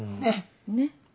ねっ！